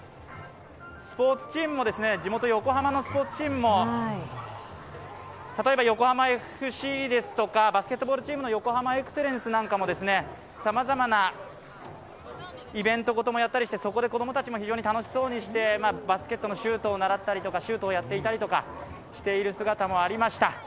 そして地元・横浜のスポーツチームも、例えば横浜ＦＣですとか、バスケットチームの横浜エクセレンスなどもさまざまなイベントごともやったりしてそこで子供たちも非常に楽しそうにしてバスケットのシュートをならったり、シュートをやっていたりする姿もありました。